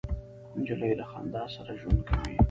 نجلۍ له خندا سره ژوند کوي.